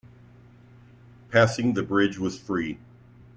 Passing the bridge was free.